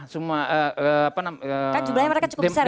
semua kan jumlahnya mereka cukup besar ya